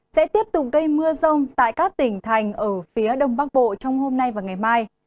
sẽ tiếp tục gây mưa rông tại các tỉnh thành ở phía đông bắc bộ trong hôm nay và ngày mai